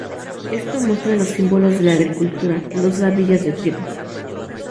Esto muestra los símbolos de la agricultura, dos gavillas de trigo.